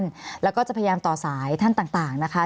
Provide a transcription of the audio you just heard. มีความรู้สึกว่ามีความรู้สึกว่า